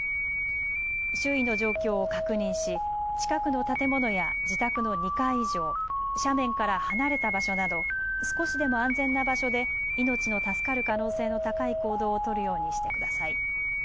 周囲の状況を確認し近くの建物や自宅の２階以上、斜面から離れた場所など少しでも安全な場所で命の助かる可能性の高い行動を取るようにしてください。